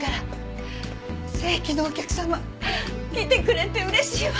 正規のお客様来てくれて嬉しいわ！